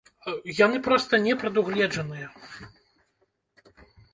Яны проста не прадугледжаныя.